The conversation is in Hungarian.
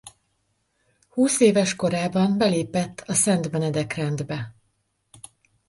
Húszéves korában belépett a Szent Benedek-rendbe.